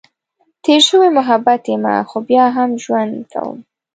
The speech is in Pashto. تېر شوی محبت یمه، خو بیا هم ژوند کؤم.